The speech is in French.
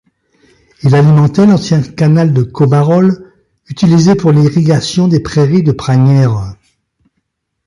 Il alimentait l'ancien canal de Caubarole utilisé pour l'irrigation des prairies de Pragnères.